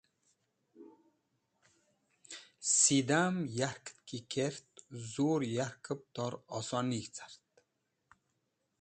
Sidam yarkvẽt ki kert zur yakẽb tor zurig̃h necar.